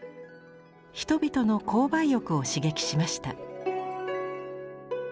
人々の購買欲を刺激しました。